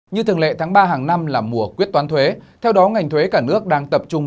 như thường lệ tháng ba hàng năm là mùa quyết toán thuế theo đó ngành thuế cả nước đang tập trung